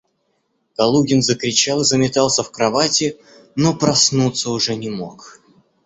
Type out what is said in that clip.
Калугин закричал и заметался в кровати, но проснуться уже не мог.